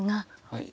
はい。